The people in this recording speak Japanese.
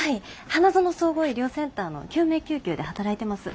花園総合医療センターの救命救急で働いてます。